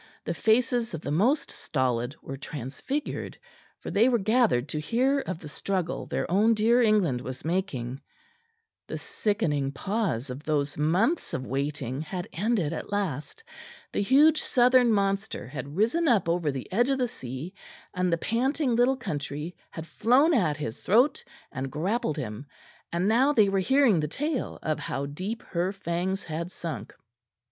The faces of the most stolid were transfigured, for they were gathered to hear of the struggle their own dear England was making; the sickening pause of those months of waiting had ended at last; the huge southern monster had risen up over the edge of the sea, and the panting little country had flown at his throat and grappled him; and now they were hearing the tale of how deep her fangs had sunk.